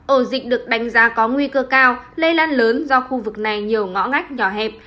ổ dịch được đánh giá có nguy cơ cao lây lan lớn do khu vực này nhiều ngõ ngách nhỏ hẹp